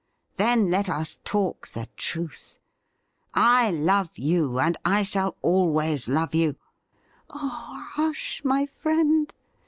' Then, let us talk the truth. I love you, and I shall always love you '' Oh, hush, my friend